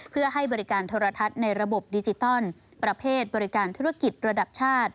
เพื่อให้บริการโทรทัศน์ในระบบดิจิตอลประเภทบริการธุรกิจระดับชาติ